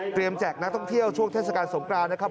แจกนักท่องเที่ยวช่วงเทศกาลสงกรานนะครับ